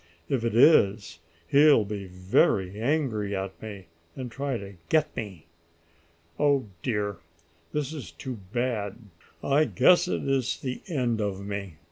"If it is, he'll be very angry at me, and try to get me. "Oh dear! This is too bad. I guess this is the end of me!"